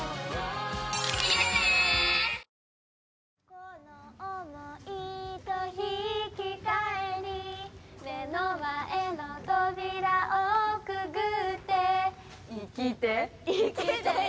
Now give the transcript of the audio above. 「この想いと引き換えに」「目の前の扉をくぐって」「生きて生きて生き抜いてやれ」